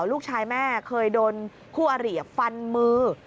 ลูกชายแม่เคยโดนคู่อริฟันมือ